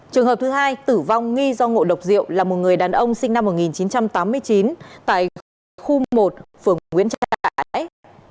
trường hợp thứ hai tử vong nghi do ngộ độc rượu là một người đàn ông sinh năm một nghìn chín trăm tám mươi chín tại khu một phường nguyễn trãi